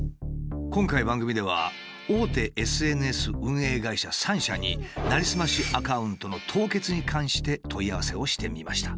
今回番組では大手ＳＮＳ運営会社３社になりすましアカウントの凍結に関して問い合わせをしてみました。